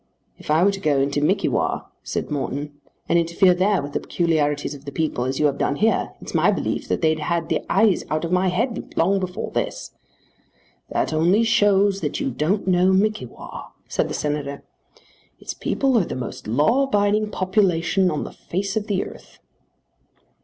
"If I were to go into Mickewa," said Morton, "and interfere there with the peculiarities of the people as you have done here, it's my belief that they'd have had the eyes out of my head long before this." "That only shows that you don't know Mickewa," said the Senator. "Its people are the most law abiding population on the face of the earth."